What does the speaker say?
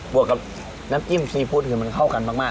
วกกับน้ำจิ้มซีฟู้ดคือมันเข้ากันมาก